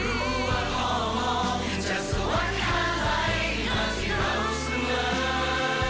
รู้ว่าพอมองจากสวรรคาไหลมาที่เราเสมอ